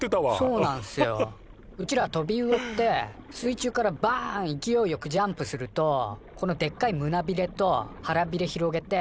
そうなんすようちらトビウオって水中からバン勢いよくジャンプするとこのでっかい胸びれと腹びれ広げて空飛べちゃうんすよね。